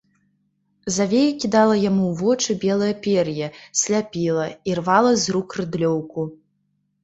Завея кідала яму ў вочы белае пер'е, сляпіла, ірвала з рук рыдлёўку.